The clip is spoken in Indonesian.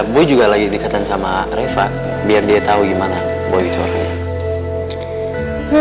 boy juga lagi deketan sama reva biar dia tau gimana boy itu orangnya